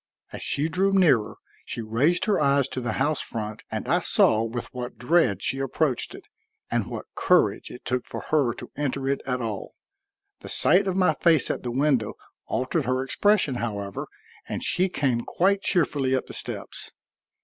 As she drew nearer, she raised her eyes to the house front and I saw with what dread she approached it, and what courage it took for her to enter it at all. The sight of my face at the window altered her expression, however, and she came quite cheerfully up the steps.